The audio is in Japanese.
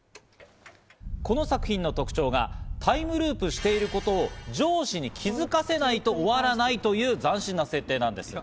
この作品の特徴がタイムループしていることを上司に気づかせないと終わらないという斬新な設定なんです。